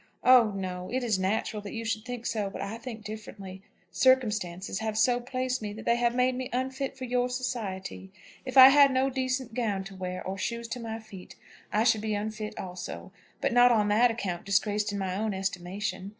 Oh no! It is natural that you should think so, but I think differently. Circumstances have so placed me that they have made me unfit for your society. If I had no decent gown to wear, or shoes to my feet, I should be unfit also; but not on that account disgraced in my own estimation.